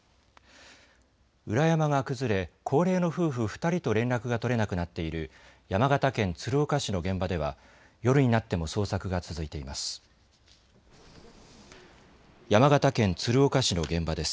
裏山が崩れ、高齢の夫婦２人と連絡が取れなくなっている山形県鶴岡市の現場では夜になっても捜索が続いています。